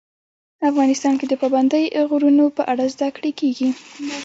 افغانستان کې د پابندی غرونه په اړه زده کړه کېږي.